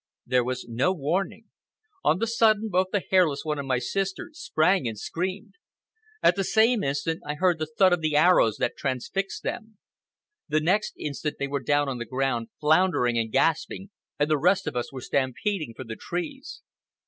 There was no warning. On the sudden, both the Hairless One and my sister sprang and screamed. At the same instant I heard the thud of the arrows that transfixed them. The next instant they were down on the ground, floundering and gasping, and the rest of us were stampeding for the trees.